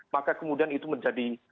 maka kemudian itu menjadi